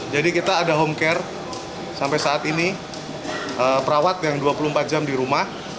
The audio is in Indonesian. jadi kita ada home care sampai saat ini perawat yang dua puluh empat jam di rumah